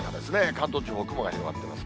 関東地方、雲が広がってます。